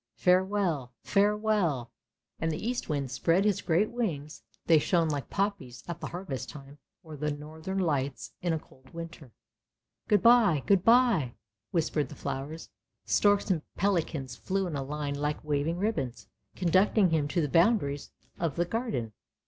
Farewell! Farewell! " and the Eastwind spread his great wings, they shone like poppies at the harvest time, or the Northern Lights in a cold winter. "Good bye! good bye!" whispered the flowers. Storks and pelicans flew in a line like waving ribbons, conducting him to the boundaries of the Garden.